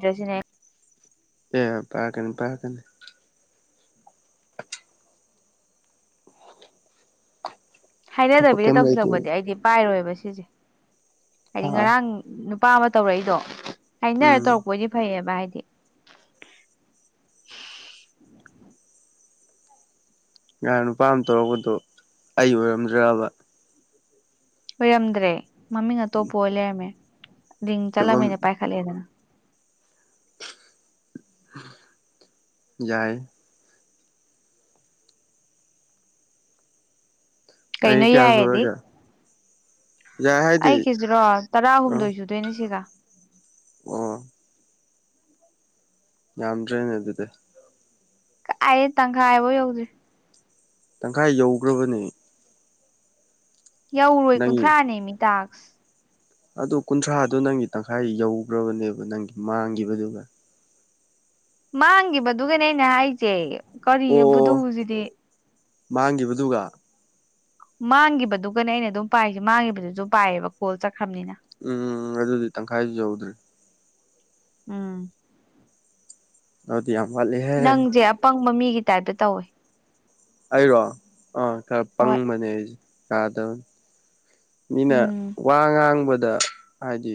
ꯗꯩꯁꯤꯅꯦ ꯑꯦ ꯄꯥꯢꯔꯛꯀꯅꯤ ꯄꯥꯢꯔꯛꯀꯅꯤ ꯊꯕꯛ ꯍꯥꯏꯅꯗꯕꯤꯗ ꯀꯩꯝ ꯂꯩꯇꯦ ꯇꯧꯁꯤꯜꯂꯛꯄꯗꯤ ꯑꯩꯗꯤ ꯄꯥꯏꯔꯣꯏꯕ ꯁꯤꯁꯦ ꯍꯥ ꯍꯥꯏꯗꯤ ꯉꯔꯥꯡ ꯅꯨꯄꯥ ꯑꯃ ꯇꯧꯔꯛꯏꯗꯣ ꯍꯥꯏꯅꯔ ꯎꯝ ꯇꯧꯔꯛꯄꯑꯣꯏꯗꯤ ꯐꯩꯌꯦꯕ ꯍꯥꯏꯗꯤ ꯉꯔꯥꯡ ꯅꯨꯄꯥ ꯑꯃ ꯇꯧꯔꯛꯄꯗꯣ ꯑꯩ ꯑꯣꯏꯔꯝꯗ꯭ꯔꯕ ꯑꯣꯏꯔꯝꯗ꯭ꯔꯦ ꯃꯃꯤꯡ ꯑꯇꯣꯞꯄ ꯑꯣꯏ ꯂꯩꯔꯝꯃꯦ ꯔꯤꯡ ꯐꯤꯕꯝ ꯆꯠꯂꯝꯅꯤꯅ ꯄꯥꯏꯈꯠꯂꯦꯗꯅ ꯌꯥꯏ ꯆꯍꯤ ꯀꯩꯅꯣ ꯀꯌꯥ ꯌꯥꯏꯌꯦꯗꯤ ꯁꯨꯔꯒꯦ ꯌꯥꯏ ꯍꯥꯏꯗꯤ ꯑꯩꯒꯤꯁꯤꯔꯣ ꯑ ꯇꯔꯥꯍꯨꯝꯗꯣꯏ ꯁꯨꯗꯣꯏꯅꯦ ꯁꯤꯒ ꯑꯣ ꯌꯥꯝꯗ꯭ꯔꯦꯅꯦ ꯑꯗꯨꯗꯤ ꯀꯥꯏꯗꯩꯩ ꯇꯪꯈꯥꯏ ꯐꯥꯎ ꯌꯧꯗ꯭ꯔꯤ ꯇꯪꯈꯥꯏ ꯌꯧꯈ꯭ꯔꯕꯅꯦ ꯌꯧꯔꯣꯏ ꯅꯪꯒꯤ ꯀꯨꯟꯊ꯭ꯔꯥꯅꯦ ꯃꯤ ꯗꯥꯥꯛꯁ ꯑꯗꯨ ꯀꯨꯟꯊ꯭ꯔꯥꯗꯣ ꯅꯪꯒꯤ ꯇꯪꯈꯥꯏ ꯌꯧꯈ꯭ꯔꯕꯅꯦꯕ ꯅꯪꯒꯤ ꯃꯥꯡꯈꯤꯕꯗꯨꯒ ꯃꯥꯡꯈꯤꯕꯗꯨꯒꯅꯦ ꯑꯩꯅ ꯍꯥꯏꯖꯦ ꯑꯣ ꯀꯔꯤꯅꯣ ꯕꯨꯗꯨꯁꯤꯗꯤ ꯃꯥꯡꯈꯤꯕꯗꯨꯒ ꯃꯥꯡꯈꯤꯕꯗꯨꯒꯅꯦ ꯑꯩꯅ ꯑꯗꯨꯝ ꯄꯥꯏꯁꯦ ꯃꯥꯡꯈꯤꯕꯕꯗꯨ ꯑꯗꯨꯝ ꯄꯥꯌꯦꯕ ꯀꯣꯜ ꯆꯠꯈ꯭ꯔꯕꯅꯤꯅ ꯎꯝ ꯑꯗꯨꯗꯤ ꯇꯪꯈꯥꯏꯁꯨ ꯌꯧꯗ꯭ꯔꯦ ꯎꯝ ꯑꯗꯨꯗꯤ ꯌꯥꯝ ꯋꯥꯜꯂꯦ ꯅꯪꯁꯦ ꯑꯄꯪꯕ ꯃꯤꯒꯤ ꯇꯥꯏꯞꯇ ꯇꯧꯋꯦ ꯑꯩꯔꯣ ꯑꯥ ꯈꯔ ꯍꯣꯏ ꯄꯪꯕꯅꯦ ꯑꯩꯁꯦ ꯌꯥꯗꯕꯅꯦ ꯃꯤꯅ ꯎꯝ ꯋꯥ ꯉꯥꯡꯕꯗ ꯍꯥꯏꯗꯤ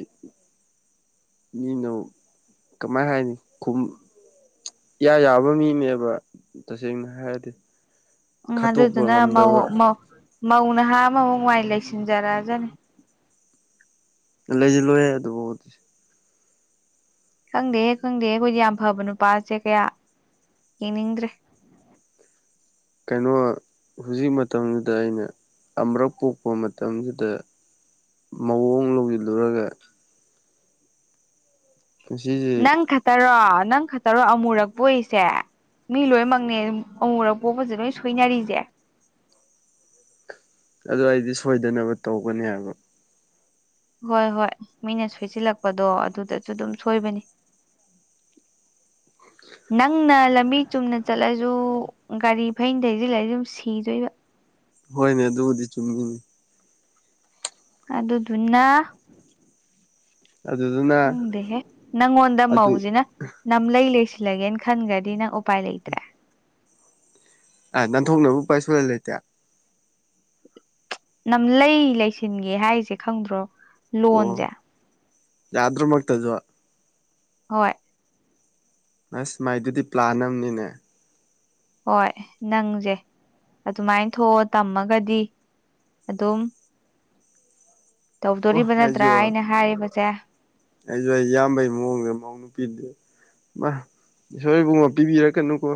ꯃꯤꯅꯨ ꯀꯃꯥꯏ ꯍꯥꯏꯅꯤ ꯈꯨꯝ ꯏꯌꯥ ꯌꯥꯕꯥ ꯃꯤꯅꯦꯕ ꯇꯁꯦꯡꯅ ꯍꯥꯏꯔꯗꯤ ꯎꯝ ꯈꯠꯇꯣꯛꯄ ꯑꯗꯨꯗꯨꯅꯥ ꯉꯝꯗꯕ ꯃꯧ ꯅꯍꯥ ꯑꯃꯃꯛ ꯃꯥꯏ ꯂꯩꯁꯤꯟꯖꯔꯛꯑꯅꯤ ꯂꯩꯁꯤꯜꯂꯣꯏꯍꯦ ꯑꯗꯨꯕꯥꯎꯗꯤ ꯈꯪꯗꯦꯍꯦ ꯈꯪꯗꯦꯍꯦ ꯑꯩꯈꯣꯏꯗꯤ ꯌꯥꯝ ꯐꯕ ꯅꯨꯄꯥꯁꯦ ꯀꯌꯥ ꯌꯦꯡꯅꯤꯡꯗ꯭ꯔꯦ ꯀꯩꯅꯣ ꯍꯧꯖꯤꯛ ꯃꯇꯝꯁꯤꯗ ꯑꯩꯅ ꯑꯃꯔꯛ ꯄꯣꯛꯄ ꯃꯇꯝꯁꯤꯗ ꯃꯧ ꯑꯃꯨꯛ ꯂꯧꯁꯤꯜꯂꯨꯔꯒ ꯄꯨꯟꯁꯤꯁꯦ ꯅꯪ ꯈꯠꯇꯔꯣ ꯅꯪ ꯈꯛꯇꯔꯣ ꯑꯃꯨꯔꯛ ꯄꯣꯛꯢꯁꯦ ꯃꯤ ꯂꯣꯏꯅꯃꯛꯅꯦ ꯑꯗꯨꯝ ꯑꯃꯨꯛꯔꯛ ꯄꯣꯛꯄꯁꯦ ꯂꯣꯏ ꯁꯣꯏꯅꯔꯤꯁꯦ ꯑꯗꯨ ꯑꯩꯗꯤ ꯁꯣꯏꯗꯅꯕ ꯇꯧꯒꯅꯤ ꯍꯥꯏꯕ ꯍꯣꯏ ꯍꯣꯏ ꯃꯤꯅ ꯁꯣꯏꯁꯤꯜꯂꯛꯄꯗꯣ ꯑꯗꯨꯗꯁꯨ ꯑꯗꯨꯝ ꯁꯣꯏꯕꯅꯤ [inaudible] ꯅꯪꯅ ꯂꯝꯕꯤ ꯆꯨꯝꯅ ꯆꯠꯂꯁꯨ ꯒꯥꯔꯤ ꯐꯩꯅ ꯊꯧꯖꯤꯜꯂꯛꯑꯥꯗꯤ ꯑꯗꯨꯝ ꯁꯤꯗꯣꯏꯕ ꯍꯣꯏꯅꯦ ꯑꯗꯨꯕꯨꯗꯤ ꯆꯨꯝꯃꯤꯅꯦ ꯑꯗꯨꯗꯨꯅ ꯑꯗꯨ ꯈꯪꯗꯦꯍꯦ ꯅꯪꯉꯣꯟꯗ ꯃꯧꯁꯤꯅ ꯅꯝꯂꯩ ꯂꯩꯁꯤꯜꯂꯒꯦꯅ ꯈꯟꯈ꯭ꯔꯗꯤ ꯅꯪ ꯎꯄꯥꯏ ꯂꯩꯇ꯭ꯔꯦ ꯑ ꯅꯟꯣꯛꯅꯕꯕꯨ ꯄꯥꯏꯁꯜꯂ ꯂꯩꯇꯦ ꯅꯝ ꯂꯩ ꯂꯩꯁꯤꯟꯒꯦ ꯍꯥꯏꯁꯦ ꯈꯪꯗ꯭ꯔꯣ ꯑꯣ ꯂꯣꯟꯣꯟꯖꯦ ꯌꯥꯗ꯭ꯔꯃꯛꯇꯁꯨ ꯍꯣꯏ ꯑꯁ ꯃꯥꯏꯗꯨꯗꯤ ꯄ꯭ꯂꯥꯟ ꯑꯃꯅꯤꯅꯦ ꯍꯣꯏ ꯅꯪꯁꯦ ꯑꯗꯨꯃꯥꯏꯅ ꯊꯣꯛꯑꯣ ꯇꯝꯃꯒꯗꯤ ꯑꯗꯨꯝ ꯑꯣ ꯇꯧꯗꯣꯔꯤꯕ ꯅꯠꯇ꯭ꯔꯥ ꯑꯩꯁꯨ ꯑꯩꯅ ꯍꯥꯏꯔꯤꯕꯁꯦ ꯑꯩꯁꯨ ꯑꯩ ꯏꯌꯥꯝꯕꯩ ꯃꯑꯣꯡꯗ ꯃꯧ ꯅꯨꯄꯤꯗꯨ ꯃꯥ ꯏꯁꯣꯔ ꯏꯕꯨꯡꯉꯣ ꯄꯤꯕꯤꯔꯛꯀꯅꯨꯀꯣ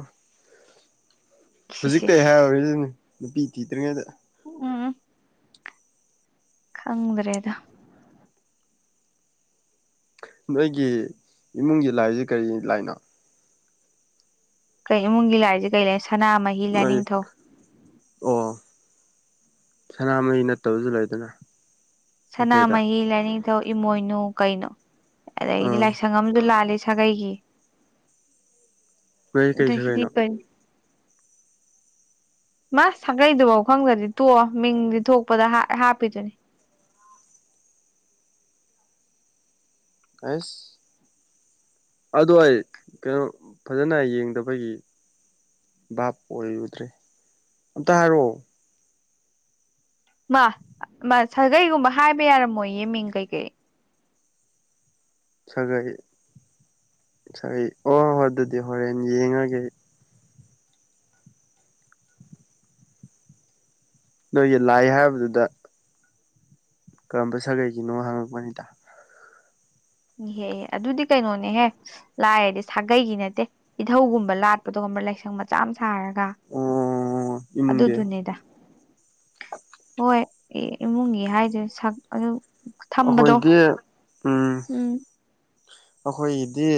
ꯁꯤꯁ ꯍꯧꯖꯤꯛꯇꯩ ꯍꯥꯏꯍꯧꯔꯤꯁꯤꯅꯤ ꯅꯨꯄꯤ ꯊꯤꯗ꯭ꯔꯤꯉꯩꯗ ꯎꯝ ꯈꯪꯗ꯭ꯔꯦꯗ ꯅꯣꯏꯒꯤ ꯏꯃꯨꯡꯒꯤ ꯂꯥꯏꯁ ꯀꯔꯤ ꯂꯥꯏꯅꯣ ꯀꯩ ꯏꯃꯨꯡꯒꯤ ꯂꯥꯏꯁꯦ ꯀꯔꯤ ꯂꯩ ꯁꯅꯥꯃꯍꯤ ꯅꯣꯏ ꯂꯥꯏꯅꯤꯡꯊꯧ ꯑꯣ ꯁꯅꯥꯃꯍꯤ ꯅꯠꯇꯕꯁꯨ ꯂꯩꯗꯅ ꯃꯩꯇꯩꯗ ꯁꯅꯥꯃꯍꯤ ꯂꯥꯏꯅꯤꯡꯊꯧ ꯏꯃꯣꯏꯅꯨ ꯀꯩꯅꯣ ꯑꯗꯗꯒꯤꯗꯤ ꯑꯥ ꯂꯥꯏꯁ ꯪ ꯑꯝꯗ ꯂꯥꯂꯦ ꯁꯥꯒꯩꯒꯤ ꯅꯣꯏ ꯀꯩ ꯑꯗꯒꯤꯗꯤ ꯁꯥꯒꯩꯅꯣ ꯀꯩꯅ ꯃꯥ ꯁꯥꯒꯩꯗꯨꯐꯥꯎ ꯈꯪꯗ꯭ꯔꯗꯤ ꯇꯣꯛꯑꯣ ꯃꯤꯡꯗꯤ ꯊꯣꯛꯄꯗ ꯍꯥꯞꯄꯤꯗꯨꯅꯤ ꯀꯥꯏꯁ ꯑꯗꯨꯗꯣ ꯑꯩ ꯀꯩꯅꯣ ꯐꯖꯅ ꯌꯦꯡꯗꯕꯒꯤ ꯚꯥꯞ ꯑꯣꯏꯔꯨꯗ꯭ꯔꯦ ꯑꯝꯇ ꯍꯥꯏꯔꯛꯑꯣ ꯃꯥ ꯃꯥ ꯁꯥꯒꯩꯒꯨꯝꯕ ꯍꯥꯏꯕ ꯌꯥꯔꯝꯃꯣꯏ ꯌꯦꯃꯤꯡ ꯀꯩꯀꯩ ꯁꯥꯒꯩ ꯁꯥꯒꯩ ꯑꯣ ꯍꯣꯏ ꯑꯗꯨꯗꯤ ꯍꯣꯔꯦꯟ ꯌꯦꯡꯉꯒꯦ ꯅꯣꯏꯒꯤ ꯂꯥꯏ ꯍꯥꯏꯕꯗꯨꯗ ꯀꯔꯝꯕ ꯁꯥꯒꯩꯒꯤꯅꯣ ꯍꯪꯉꯛꯄꯅꯤꯗ ꯏꯍꯦꯍꯦ ꯑꯗꯨꯗꯤ ꯀꯩꯅꯣꯅꯦꯍꯦ ꯂꯥꯏꯔꯗꯤ ꯁꯥꯒꯩꯒꯤ ꯅꯠꯇꯦ ꯏꯙꯧꯒꯨꯝꯕ ꯂꯥꯠꯄꯗꯣꯒꯨꯝꯕ ꯂꯥꯏꯁꯪ ꯃꯆꯥ ꯑꯃ ꯁꯥꯔꯒ ꯑꯣ ꯑꯗꯨꯗ ꯏꯃꯨꯡꯒꯤ ꯑꯗꯨꯅꯦꯗ ꯍꯣꯏ ꯏꯃꯨꯡꯒꯤ ꯍꯥꯏꯗꯦ ꯁꯛ ꯑꯗꯨ ꯊꯝꯕꯗꯣ ꯑꯩꯈꯣꯏꯒꯤ ꯎꯝ ꯑꯩꯈꯣꯏꯒꯤꯗꯤ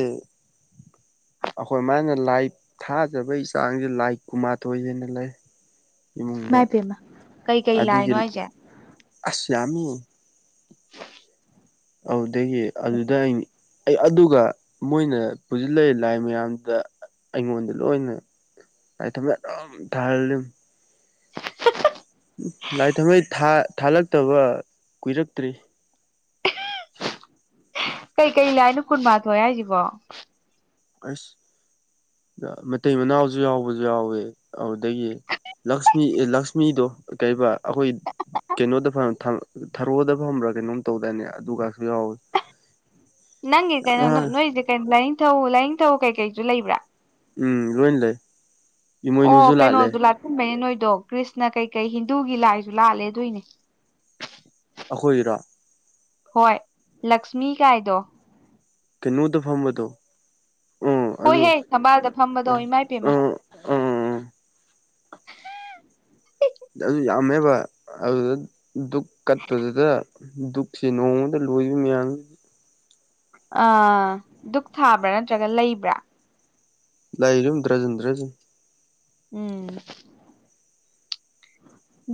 ꯑꯩꯈꯣꯏ ꯃꯥꯅ ꯂꯥꯏ ꯊꯥꯖꯕꯒꯤ ꯆꯥꯡꯁꯦ ꯂꯥꯏ ꯀꯨꯟꯃꯥꯊꯣꯏ ꯍꯥꯏꯅ ꯂꯩ ꯏꯃꯨꯡꯗ ꯃꯥꯏ ꯄꯦꯝꯃ ꯀꯩ ꯀꯩ ꯂꯥꯛꯅꯣ ꯑꯩꯁꯦ ꯑꯁꯃꯤ [inaudible] ꯑꯗꯨꯗꯒꯤ ꯑꯗꯨꯗ ꯑꯩ ꯑꯩ ꯑꯗꯨꯒ ꯃꯣꯏꯅ ꯄꯨꯁꯤꯜꯂꯏ ꯂꯥꯏ ꯃꯌꯥꯝꯗꯨꯗ ꯑꯩꯉꯣꯟꯗ ꯂꯣꯏꯅ ꯑꯩ ꯊ ꯑꯦꯝ ꯊꯥꯔꯝ ꯂꯥꯏ ꯊꯝꯃꯩ ꯊꯥꯂꯛꯇꯕ ꯀꯨꯏꯔꯛꯇ꯭ꯔꯤ ꯀꯩꯀꯩ ꯂꯥꯏꯅꯨ ꯀꯨꯟꯃꯊꯣꯏꯑꯦ ꯍꯥꯏꯁꯤꯕꯣ ꯑꯁ ꯃꯇꯩ ꯃꯅꯥꯎꯁꯨ ꯌꯥꯎꯕꯁꯨ ꯌꯥꯎꯋꯦ ꯑꯗꯨꯗꯒꯤ ꯂꯛꯁꯃꯤ ꯂꯛꯁꯃꯤꯗꯣ ꯀꯩꯔꯤꯕ ꯑꯩꯈꯣꯏ ꯀꯩꯅꯣꯗ ꯊꯔꯣꯗ ꯐꯪꯕ꯭ꯔꯥ ꯀꯩꯅꯣꯝ ꯇꯧꯗꯅꯦ ꯑꯗꯨꯒꯒꯁꯨ ꯌꯥꯎꯋꯤ ꯅꯪꯒꯤ ꯀꯩꯅꯣ ꯅꯣꯏꯁꯦ ꯀꯩꯅꯣ ꯂꯥꯏꯅꯤꯡꯊꯧ ꯂꯥꯏꯅꯤꯡꯊꯧ ꯀꯩꯀꯩꯁꯨ ꯂꯩꯕ꯭ꯔꯥ ꯎꯝ ꯂꯣꯏꯅ ꯂꯩ ꯑꯣ ꯏꯃꯣꯏꯅꯨꯁꯨ ꯂꯥꯠꯂꯦ ꯀꯩꯅꯣꯗꯨ ꯂꯥꯠꯆꯟꯕꯅꯦ ꯅꯣꯏꯗꯣ ꯀ꯭ꯔꯤꯁꯅ ꯀꯩꯀꯩ ꯍꯤꯟꯗꯨꯒꯤ ꯂꯥꯏꯁꯨ ꯂꯥꯠꯂꯦ ꯑꯗꯨꯣꯏꯅꯦ ꯑꯩꯈꯣꯏꯔꯣ ꯍꯣꯏ ꯂꯛꯁꯃꯤ ꯀꯥꯏꯗꯣ UNINTELLIGIBLE ꯐꯝꯕꯗꫭ ꯍꯣꯏꯍꯦ ꯊꯝꯕꯥꯜꯗ ꯐꯝꯕꯗꯣ ꯎꯝ ꯏꯃꯥ ꯄꯦꯃꯥ ꯎꯝ ꯎꯝ ꯑꯗꯨ ꯌꯥꯝꯃꯦꯕ ꯑꯗꯨꯗ ꯗꯨꯛ ꯀꯠꯄꯗꯨꯗ ꯗꯨꯛꯁꯤ ꯅꯣꯡꯃꯗ ꯂꯣꯏꯕ ꯃꯌꯥꯝ ꯑ ꯙꯨꯛ ꯊꯥꯕ꯭ꯔꯥ ꯅꯠꯇ꯭ꯔꯒ ꯂꯩꯕ꯭ꯔꯥ ꯂꯩꯥꯏꯔꯝ ꯗ꯭ꯔꯖꯟꯗ꯭ꯔꯖꯟ ꯎꯝ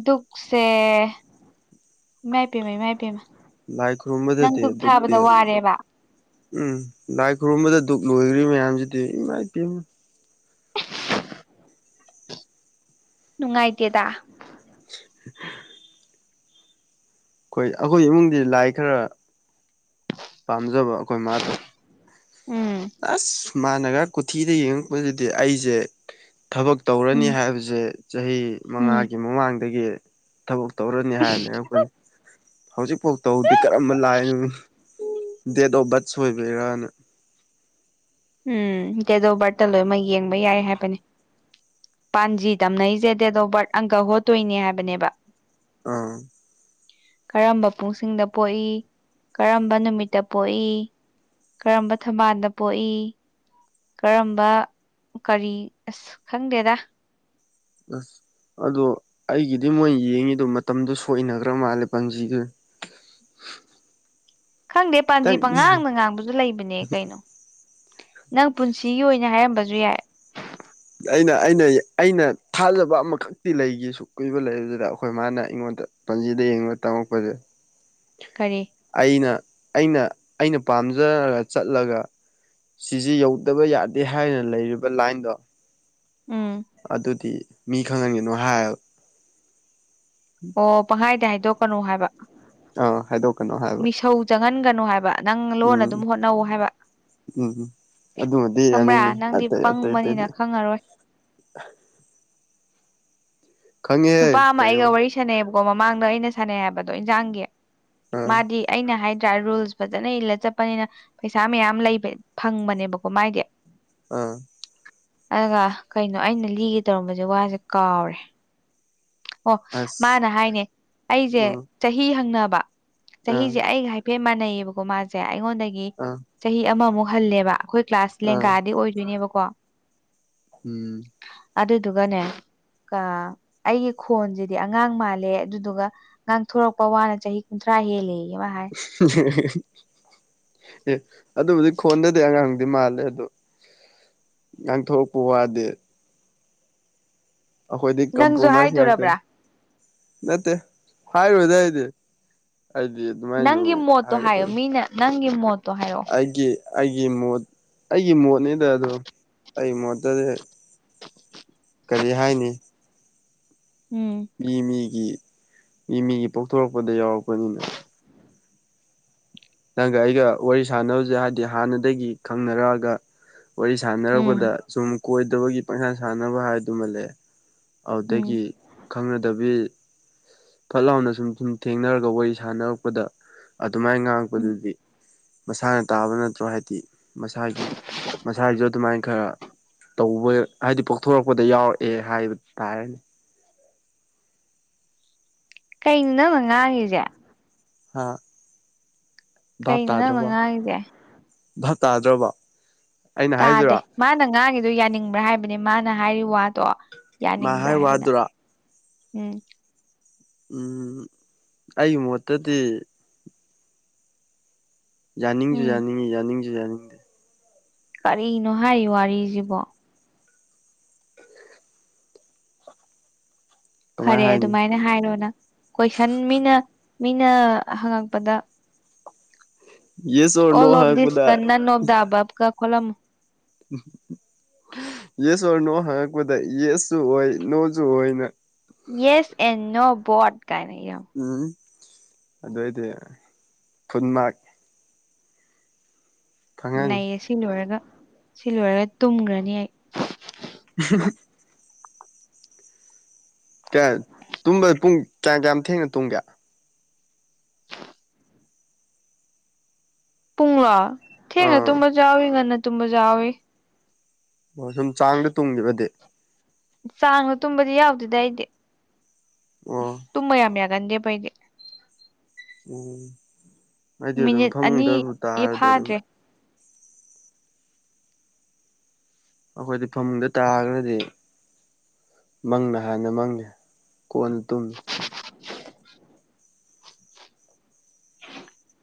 ꯗꯨꯈꯁꯦ ꯃꯥꯏ ꯄ ꯃꯥꯏ ꯄ ꯂꯥꯏ ꯈꯨꯔꯨꯝꯕꯗꯗꯤ ꯗꯨꯛꯇꯤ ꯋꯥꯔꯦꯕ ꯎꯝ ꯂꯥꯏ ꯈꯨꯔꯨꯝꯕꯗ ꯗꯨꯛ ꯂꯣꯏꯈ꯭ꯔꯤ ꯃꯌꯥꯝꯁꯤꯗꯤ ꯏꯃꯥ ꯏꯄꯥꯦ ꯅꯨꯡꯉꯥꯏꯗꯦꯗ [inaudible] ꯍꯣꯏ ꯑꯩꯈꯣꯏ ꯏꯃꯨꯡꯗꯤ ꯂꯥꯏ ꯈꯔ ꯄꯥꯝꯖꯕ ꯑꯩꯈꯣꯏ ꯃꯥꯗꯣ ꯎꯝ ꯑꯁ ꯃꯥꯥꯟꯅꯒ ꯀꯣꯊꯤꯗ ꯌꯦꯡꯉꯛꯄꯁꯤꯗꯤ ꯑꯩꯁꯦ ꯊꯕꯛ ꯇꯧꯔꯅꯤ ꯎꯝ ꯍꯥꯏꯕꯁꯦ ꯆꯍꯤ ꯎꯝ ꯃꯉꯥꯒꯤ ꯃꯃꯥꯡꯗꯒꯤ ꯊꯕꯛ ꯇꯧꯔꯅꯤ ꯍꯥꯏꯔ ꯂꯩꯔꯥꯛꯄꯅꯤ ꯍꯧꯖꯤꯛꯐꯥꯎ ꯇꯕꯨꯗꯤ ꯀꯔꯝꯕ ꯂꯥꯏꯅ ꯗꯦꯠ ꯑꯣꯐ ꯕꯥꯔꯠ ꯁꯣꯏꯕꯩꯔꯥꯅ ꯎꯝ ꯗꯦꯠ ꯑꫭꯐ ꯕꯥꯠꯇ ꯂꯣꯏꯅꯃꯛ ꯌꯦꯡꯕ ꯌꯥꯏ ꯍꯥꯏꯕꯅꯤ ꯄꯥꯟꯖꯤ ꯇꯝꯅꯔꯤꯁꯦ ꯗꯦꯠ ꯑꯣꯐ ꯕꯥꯔꯠ ꯑꯪꯀ ꯍꯣꯠꯇꯣꯏꯅꯦ ꯍꯥꯏꯕꯅꯦꯕ ꯑ ꯀꯔꯝꯕ ꯄꯨꯡꯁꯤꯡꯗ ꯄꯣꯛꯏ ꯀꯔꯝꯕ ꯅꯨꯃꯤꯠꯇ ꯄꯣꯛꯏ ꯀꯔꯝꯕ ꯊꯝꯕꯥꯜꯗ ꯄꯣꯛꯏ ꯀꯔꯝꯕ ꯀꯔꯤ ꯑꯁ ꯈꯪꯗꯦꯗ ꯑꯁ ꯑꯗꯣ ꯑꯩꯒꯤꯗꯤ ꯃꯣꯏ ꯌꯦꯡꯉꯤꯗꯣ ꯃꯇꯝꯗꯨꯣ ꯁꯣꯛꯏꯅꯈ꯭ꯔ ꯃꯥꯜꯂꯦ ꯄꯪꯖꯤꯗꯨ ꯈꯪꯗꯦ ꯄꯥꯟꯖꯤ ꯈꯤꯇꯪ ꯄꯉꯥꯡꯗ ꯉꯥꯡꯕꯁꯨ ꯂꯩꯕꯅꯦ ꯀꯩꯅꯣ ꯅꯪ ꯄꯨꯟꯁꯤꯒꯤ ꯑꯣꯏꯅ ꯍꯥꯏꯔꯝꯕꯁꯨ ꯌꯥꯏ ꯑꯩꯅ ꯑꯩꯅ ꯑꯩꯅ ꯊꯥꯖꯕ ꯑꯃꯈꯛꯇꯤ ꯂꯩꯒꯁꯨ ꯀꯨꯏꯕ ꯂꯩꯕꯁꯤꯗ ꯑꯩꯈꯣꯏ ꯃꯥꯅ ꯑꯩꯉꯣꯟꯗ ꯄꯟꯖꯤꯗ ꯌꯦꯡꯕ ꯇꯝꯃꯛꯄꯁꯦ ꯀꯔꯤ ꯑꯩꯅ ꯑꯩꯅ ꯑꯩꯅ ꯄꯥꯝꯖꯔꯒ ꯆꯠꯂꯒ ꯁꯤꯖꯦ ꯌꯧꯗꯕ ꯌꯥꯗꯦ ꯍꯥꯏꯅ ꯂꯩꯔꯤꯕ ꯂꯥꯏꯟꯗꯣ ꯎꯝ ꯑꯗꯨꯗꯤ ꯃꯤ ꯈꯪꯍꯟꯒꯅꯨ ꯍꯥꯏ ꯑꯣ ꯄꯪꯍꯥꯏꯗ ꯍꯥꯏꯗꯣꯛꯀꯅꯨ ꯍꯥꯏꯕ꯫ ꯑꯥ ꯍꯥꯏꯗꯣꯛꯀꯅꯣ ꯍꯥꯏꯕ꯫ ꯃꯤꯁꯧ ꯆꯪꯍꯟꯒꯅꯨ ꯍꯥꯏꯕ ꯅꯪ ꯂꯣꯟꯅ ꯑꯗꯨꯝ ꯎꯝ ꯍꯣꯠꯅꯧ ꯍꯥꯏꯕ꯫ ꯎꯝ ꯎꯝ ꯑꯗꯨꯃꯗꯤ ꯈꯪꯕ꯭ꯔꯥ ꯌꯥꯅꯤꯡꯉꯤ ꯅꯪꯗꯤ ꯑꯇꯩ ꯑꯇꯩ ꯄꯪꯕꯅꯤꯅ ꯑꯇꯩꯗꯤ ꯈꯪꯉꯔꯣꯏ꯫ ꯈꯪꯉꯦꯍꯦ ꯅꯨꯄꯥ ꯑꯃ ꯀꯩꯅꯣ ꯑꯩꯒ ꯋꯥꯔꯤ ꯁꯥꯟꯅꯩꯑꯕꯀꯣ ꯃꯃꯥꯡꯗ ꯑꯩꯅ ꯁꯥꯟꯅꯩ ꯍꯥꯏꯕꯗꯣ ꯏꯟꯖꯥꯡꯒꯤ ꯑꯥ ꯃꯥꯗꯤ ꯑꯩꯅ ꯍꯥꯏꯗ꯭ꯔꯥ ꯔꯨꯜꯁ ꯐꯖꯅ ꯏꯜꯂ ꯆꯠꯄꯅꯤꯅ ꯄꯩꯁꯥ ꯃꯌꯥꯝ ꯂꯩꯕ ꯐꯪꯕꯅꯦꯕꯀꯣ ꯃꯥꯏꯗꯤ ꯑ ꯑꯗꯨꯒ ꯀꯩꯅꯣ ꯑꯩꯅ ꯂꯤꯒꯦ ꯇꯧꯔꯝꯕꯁꯦ ꯋꯥꯁꯦ ꯀꯥꯎꯔꯦ ꯑꯣ ꯑꯁ ꯃꯥꯅ ꯍꯥꯏꯅꯦ ꯑꯩꯁꯦ ꯎꯝ ꯆꯍꯤ ꯍꯪꯅꯕ ꯑꯥ ꯆꯍꯤꯁꯦ ꯑꯩꯒ ꯍꯥꯏ ꯐꯦ ꯃꯥꯟꯅꯩꯌꯦꯕꯀꯣ ꯃꯥꯁꯦ ꯑꯩꯉꯣꯟꯗꯒꯤ ꯑ ꯆꯍꯤ ꯑꯃꯃꯨꯛ ꯍꯜꯂꯦꯕ ꯑꯩꯈꯣꯏ ꯀ꯭ꯂꯥꯁ ꯑꯥ ꯂꯦꯡꯒꯥꯗꯤ ꯑꯣꯏꯗꯣꯏꯅꯦꯕꯀꯣ ꯎꯝ꯫ ꯑꯗꯨꯗꯨꯒꯅꯦ ꯀ ꯑꯩꯒꯤ ꯈꯣꯟꯁꯤꯗꯤ ꯑꯉꯥꯡ ꯃꯥꯜꯂꯦ ꯑꯗꯨꯗꯨꯒ ꯉꯥꯡꯊꯣꯔꯛꯄ ꯋꯥꯅ ꯆꯍꯤ ꯀꯨꯟꯊ꯭ꯔꯥ ꯍꯦꯜꯂꯦꯌꯦ ꯃꯥꯍꯥꯏ [unintelligible] ꯑꯦ ꯑꯗꯨꯕꯨꯗꯤ ꯈꫭꯟꯗꯗꯤ ꯑꯉꯥꯡꯗꯤ ꯃꯥꯟꯗꯦ ꯑꯗꯨ ꯉꯥꯡꯊꯣꯛꯔꯛꯄ ꯋꯥꯗꯤ ꯑꯩꯈꯣꯏꯗꯤ ꯅꯪꯁꯨ ꯀꯝꯄ꯭ꯔꯣꯃꯥꯏꯁ ꯍꯥꯏꯗꯣꯔꯕ꯭ꯔꯥ ꯉꯥꯛꯇꯅꯤ꯫ ꯅꯠꯇꯦ ꯍꯥꯏꯔꯣꯏꯗ ꯑꯩꯗꯤ ꯑꯩꯗꯤ ꯑꯗꯨꯃꯥꯏꯅꯁꯨ ꯅꯪꯒꯤ ꯃꯣꯠꯇꯣ ꯍꯥꯏꯌꯣ ꯍꯥꯏꯒꯗꯕ ꯃꯤꯅ ꯅꯪꯒꯤ ꯃꯣꯠ ꯑꯩꯒꯤ ꯑꯩꯒꯤ ꯃꯣꯠ ꯑꯩꯒꯤ ꯃꯣꯠꯅꯤꯗ ꯑꯗꯨ ꯑꯩꯒꯤ ꯃꯣꯠꯇꯗꯤ ꯀꯔꯤ ꯍꯥꯏꯅꯤ ꯎꯝ ꯃꯤ ꯃꯤꯒꯤ ꯃꯤ ꯃꯤꯒꯤ ꯄꯣꯛꯊꯣꯔꯛꯄꯗ ꯌꯥꯎꯔꯛꯄꯅꯤꯅ ꯅꯪꯒ ꯑꯩꯒ ꯋꯥꯔꯤ ꯁꯥꯟꯅꯕꯁꯦ ꯍꯥꯏꯕꯗꯤ ꯍꯥꯟꯅꯗꯒꯤ ꯈꯪꯅꯔꯛꯑꯒ ꯋꯥꯔꯤ ꯁꯥꯟꯅꯔꯛꯄꯗ ꯎꯝ ꯁꯨꯝ ꯀꯣꯏꯗꯕꯒꯤ ꯄꯪꯁꯥꯟ ꯁꯥꯟꯅꯕ ꯍꯥꯏꯗꯨꯃ ꯂꯩꯑꯦ ꯎꯝ ꯑꯗꯒꯤ ꯈꯪꯅꯗꯕꯤ ꯐꯠ ꯂꯥꯎꯅ ꯁꯨꯝ ꯁꯨꯝ ꯊꯦꯡꯅꯔꯒ ꯋꯥꯔꯤ ꯁꯥꯟꯅꯔꯛꯄꯗ ꯑꯗꯨꯃꯥꯏꯅ ꯎꯝ ꯗꯨꯗꯤ ꯃꯁꯥꯅ ꯇꯥꯕ ꯅꯠꯇ꯭ꯔꯣ ꯍꯥꯏꯗꯤ ꯃꯁꯥꯒꯤ ꯃꯁꯥꯒꯤꯖꯨ ꯑꯗꯨꯃꯥꯏꯅ ꯈꯔ ꯇꯧꯕ ꯍꯥꯏꯗꯤ ꯄꯣꯛꯊꯣꯔꯛꯄꯗ ꯌꯥꯎꯔꯛꯑꯦ ꯍꯥꯏꯕ ꯇꯥꯔꯅꯤ꯫ ꯀꯩꯅꯣ ꯅꯪꯅ ꯉꯥꯡꯉꯤꯖꯦ꯫ ꯍꯥ ꯚꯥꯞ ꯀꯩꯅꯣ ꯅꯪꯅ ꯇꯥꯗ꯭ꯔꯕꯣ ꯉꯥꯡꯉꯤꯁꯦ ꯚꯥꯞ ꯇꯥꯗ꯭ꯔꯕꯣ꯫ ꯇꯥꯗꯦ ꯃꯥꯅ ꯉꯥꯡꯒꯤꯗꯣ ꯌꯥꯅꯤꯡꯕ꯭ꯔꯥ ꯍꯥꯏꯕꯅꯦ ꯃꯥꯅ ꯍꯥꯏꯔꯤ ꯋꯥꯗꫭ ꯃꯥ ꯌꯥꯅꯤꯡꯕ꯭ꯔꯥ ꯍꯥꯏ ꯍꯥꯏꯕ꯭ꯔ ꯅꯪ ꯋꯥꯗꯨꯔꯥ ꯎ ꯎꯝ ꯑꯩꯒꯤ ꯃꯣꯠꯇꯗꯤ ꯌꯥꯅꯤꯡꯖꯨ ꯎꯝ ꯌꯥꯅꯤꯡꯉꯤ ꯌꯥꯅꯤꯡꯖꯨ ꯌꯥꯅꯤꯡꯗ ꯀꯔꯤꯅꯣ ꯍꯥꯏꯔꯤ ꯋꯥꯔꯤꯖꯤꯕꫭ ꯀꯃꯥꯏ ꯐꯔꯦ ꯍꯥꯏꯅꯤ ꯑꯗꯨꯃꯥꯏꯅ ꯍꯥꯏꯔꯣ ꯅꯪ ꯀꯣꯏꯁꯟ ꯃꯤꯅ ꯃꯤꯅ ꯍꯪꯉꯛꯄꯗ yes or all no of this ꯍꯪꯉꯛꯄꯗ ꯄꯦꯅꯦꯟ ꯑꯣꯐ ꯗ ꯑꯕꯞ ꯀ ꯈꯣꯠꯂꯝꯃꯨ ꯌꯦꯁ ꯑꯣꯔ ꯅꯣ ꯍꯪꯉꯛꯄꯗ ꯌꯦꯁꯁꯨ ꯑꯣꯏ ꯅꯣꯖꯨ ꯑꯣꯏꯅ ꯌꯦꯁ ꯑꯦꯟ ꯅꯣ ꯕꯣꯠ ꯀꯥꯏꯅ ꯏꯔꯝ ꯎꯝ ꯑꯗꯨꯑꯣꯏꯗꯤ ꯐꯨꯟ ꯃꯥꯛ ꯐꯪꯉꯅꯤ ꯅꯩꯌꯦ ꯁꯤ ꯂꯣꯏꯔꯒ ꯁꯤ ꯂꯣꯏꯔꯒ ꯇꯨꯝꯒ꯭ꯔꯅꯤ ꯑꯩ [unintelligible] ꯀꯌꯥ ꯇꯨꯝꯕ ꯄꯨꯡ ꯀꯌꯥꯝ ꯀꯌꯥꯝ ꯊꯦꯡꯅ ꯇꯨꯝꯒꯦ ꯄꯨꯡꯂꯣ ꯊꯦꯡꯅ ꯑꯥ ꯇꯨꯝꯕꯖꯨ ꯌꯥꯎꯋꯤ ꯉꯟꯅ ꯇꯨꯝꯕꯖꯨ ꯌꯥꯎꯋꯤ ꯑꯣ ꯁꯨꯝ ꯆꯥꯡꯗ ꯇꯨꯡꯒꯤꯕꯗꯤ ꯆꯥꯡꯗ ꯇꯨꯝꯕꯗꯤ ꯌꯥꯎꯗꯦꯗ ꯑꯩꯗꯤ ꯑꯣ ꯇꯨꯝꯕ ꯌꯥꯝ ꯌꯥꯒꯟꯗꯦꯕ ꯑꯩꯗꯤ ꯎꯝ ꯑꯩꯗꯤ ꯑꯗꯨꯝ ꯃꯤꯅꯤꯠ ꯑꯅꯤ ꯐꯝꯃꯨꯡꯗ ꯑꯗꯨꯝ ꯇꯥꯉꯔꯗꯤ ꯑꯗꯨꯝ ꯐꯥꯗ꯭ꯔꯦ ꯑꯩꯈꯣꯏꯗꯤ ꯐꯃꯨꯡꯗ ꯇꯥꯒ꯭ꯔꯗꯤ ꯃꯪꯅ ꯍꯥꯟꯅ ꯃꯪꯉꯦ ꯀꯣꯟꯅ ꯇꯨꯝꯃꯤ ꯎ [unintelligible]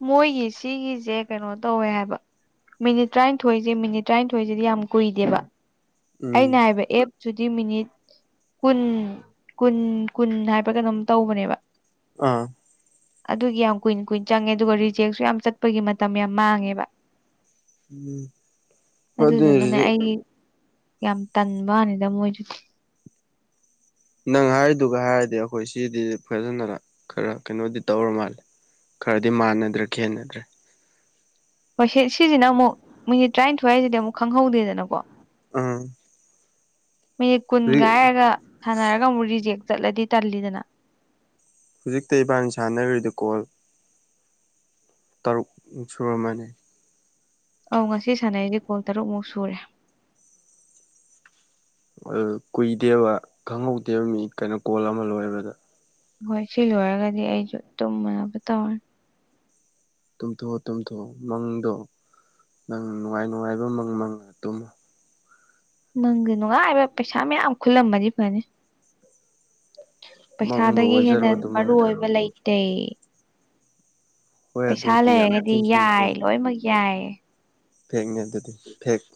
ꯃꯣꯏꯒꯤ ꯁꯤꯒꯤꯖꯦ ꯀꯩꯅꯣ ꯇꯧꯋꯦ ꯍꯥꯏꯕ ꯃꯤꯅꯤꯠ ꯇꯔꯥꯟꯊꯣꯏꯖꯦ ꯃꯤꯅꯤꯠ ꯇꯔꯥꯟꯊꯣꯏꯖꯤꯗꯤ ꯌꯥꯝ ꯀꯨꯏꯗꯦꯕ ꯎꯝ ꯑꯩꯅ ꯍꯥꯏꯕ ꯑꯦꯞ ꯗꯨꯗꯤ ꯃꯤꯅꯤꯠ ꯀꯨꯟ ꯀꯨꯟ ꯀꯨꯟ ꯍꯥꯏꯕ ꯀꯩꯅꯣꯝ ꯇꯧꯕꯅꯦꯕ ꯑꯥ ꯑꯗꯨꯒꯤ ꯌꯥꯝ ꯀꯨꯏꯟ ꯀꯨꯏꯟ ꯆꯪꯉꯦ ꯑꯗꯨꯒ ꯔꯤꯖꯦꯛꯁꯨ ꯌꯥꯝ ꯆꯠꯄꯒꯤ ꯃꯇꯝ ꯌꯥꯝ ꯃꯥꯡꯉꯦꯕ ꯎꯝ ꯍꯣꯏ ꯑꯗꯨ ꯑꯗꯨꯗꯨꯅꯅꯦ ꯑꯩ ꯌꯥꯝ ꯇꯟꯕꯥꯅꯤꯗ ꯃꯣꯏꯗꯨꯗꯤ ꯅꯪ ꯍꯥꯏꯔꯤꯗꯨꯒ ꯍꯥꯏꯔꯗꯤ ꯑꯩꯈꯣꯏ ꯁꯤꯗꯤ ꯐꯖꯅ ꯈꯔ ꯀꯩꯅꯣꯗꯤ ꯇꯧꯔ ꯃꯥꯜꯂꯦ ꯈꯔꯗꯤ ꯃꯥꯟꯅꯗ꯭ꯔꯦ ꯈꯦꯠꯅꯗ꯭ꯔꯦ ꯍꯣꯏ ꯁꯤ ꯁꯤꯖꯤꯅ ꯑꯃꯨꯛ ꯃꯤꯅꯤꯠ ꯇꯔꯥꯟꯊꯣꯏ ꯍꯥꯏꯖꯤꯗꯤ ꯑꯃꯨꯛ ꯈꯪꯍꯧꯗꯦꯗꯅꯀꯣ ꯎꯝ ꯃꯤꯅꯤꯠ ꯀꯨꯟꯒ ꯍꯥꯏꯔꯒ ꯁꯥꯟꯅꯔꯒ ꯑꯃꯨꯛ ꯔꯤꯖꯦꯛ ꯆꯠꯂꯗꯤ ꯇꯜꯂꯤꯗꯅ ꯍꯧꯖꯤꯛꯇ ꯏꯕꯥꯟꯅꯤ ꯁꯥꯟꯅꯔꯨꯏꯗꯨ ꯀꯣꯜ ꯇꯔꯨꯛ ꯃꯨꯛ ꯁꯨꯔꯝꯃꯅꯤ ꯑꯧ ꯉꯁꯤ ꯁꯥꯟꯅꯩꯁꯦ ꯀꯣꯜ ꯇꯔꯨꯛꯃꯨꯛ ꯁꯨꯔꯦ ꯑꯗꯨ ꯀꯨꯏꯗꯦꯕ ꯈꯪꯍꯧꯗꯦꯕ ꯃꯤ ꯀꯩꯅꯣ ꯀꯣꯜ ꯑꯃ ꯂꯣꯏꯕꯗ ꯍꯣꯏ ꯁꯤ ꯂꯣꯏꯔꯒꯗꯤ ꯑꯩꯁꯨ ꯇꯨꯝꯃꯨꯅꯕ ꯇꯧꯔꯅꯤ ꯇꯨꯝꯊꯣꯛꯑꯣ ꯇꯨꯝꯊꯣꯛꯑꯣ ꯃꯪꯗꯣ ꯅꯪ ꯅꯨꯡꯉꯥꯏ ꯅꯨꯡꯉꯥꯏꯕ ꯃꯪ ꯃꯪꯉ ꯇꯨꯝꯃꯨ ꯃꯪꯗ ꯅꯨꯡꯉꯥꯏꯕ ꯄꯩꯁꯥ ꯃꯌꯥꯝ ꯈꯨꯜꯂꯝꯃꯗꯤ ꯐꯅꯤ ꯃꯪꯕ ꯄꯩꯁꯥꯗꯒꯤ ꯑꯣꯏꯖꯔꯣ ꯍꯦꯟꯅ ꯑꯗꯨ ꯃꯔꯨ ꯃꯪꯗꯣ ꯑꯣꯏꯕ ꯂꯩꯇꯦ ꯍꯣꯏ ꯄꯩꯁꯥ ꯑꯗꯨꯗꯤ ꯌꯥꯝ ꯂꯩꯔꯒꯗꯤ ꯊꯤꯅ ꯆꯨꯝꯕ ꯌꯥꯏ ꯄꯣꯠꯅꯤ ꯂꯣꯏꯃꯛ ꯌꯥꯏ ꯐꯦꯛꯅꯦ ꯑꯗꯨꯗꯤ ꯐꯦꯛ